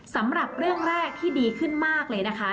สำหรับเรื่องแรกที่ดีขึ้นมากเลยนะคะ